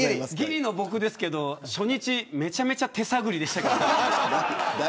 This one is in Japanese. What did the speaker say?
ぎりの僕ですけど初日めちゃくちゃ手探りでした。